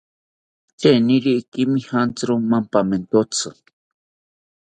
Charini ikemijantziro mampamentotzi